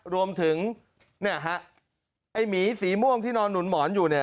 รวมถึงเนี่ยฮะไอ้หมีสีม่วงที่นอนหนุนหมอนอยู่เนี่ย